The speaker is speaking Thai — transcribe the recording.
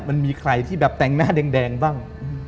มันมีใครที่แบบแต่งหน้าแดงบ้าง